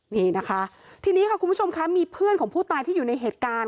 นี่นะคะทีนี้ค่ะคุณผู้ชมคะมีเพื่อนของผู้ตายที่อยู่ในเหตุการณ์